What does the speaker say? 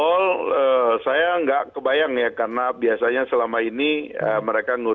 kalau menjebol saya nggak kebayang ya karena biasanya selama ini mereka nge report